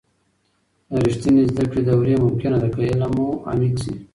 د ریښتیني زده کړي دورې ممکنه ده، که علم مو عمیق سي.